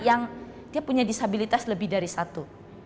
yang dia punya disabilitas lebih dari satu